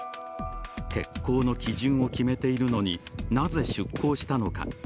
欠航の基準を決めているのになぜ、出航したのか。